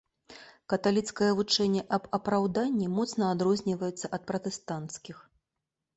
Каталіцкае вучэнне аб апраўданні моцна адрозніваецца ад пратэстанцкіх.